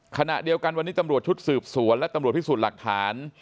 ขณะเดียวกันวันนี้ตำรวจชุดสืบสวนและตำรวจพิสูจน์หลักฐาน